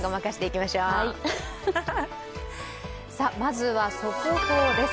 まずは速報です。